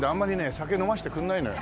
酒飲ませてくれないのよ。